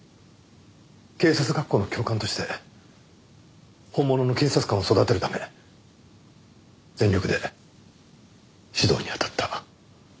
警察学校の教官として本物の警察官を育てるため全力で指導にあたった。